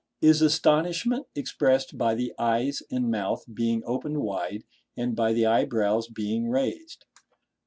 Is astonishment expressed by the eyes and mouth being opened wide, and by the eyebrows being raised?